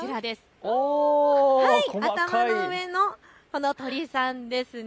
頭の上のこの鳥さんです。